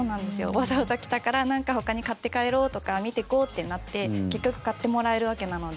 わざわざ来たからなんか、ほかに買って帰ろうとか見ていこうってなって結局買ってもらえるわけなので。